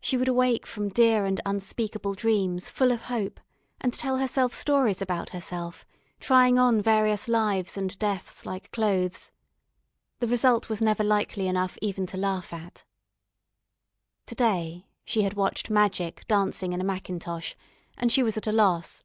She would awake from dear and unspeakable dreams full of hope, and tell herself stories about herself, trying on various lives and deaths like clothes. The result was never likely enough even to laugh at. To day she had watched magic dancing in a mackintosh, and she was at a loss.